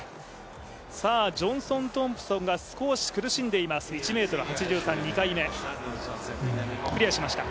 ジョンソン・トンプソンが少し苦しんでいます、１ｍ８３、２回目、クリアしました。